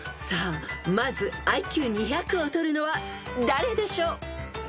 ［さあまずＩＱ２００を取るのは誰でしょう］